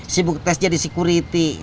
sibuk tes jadi security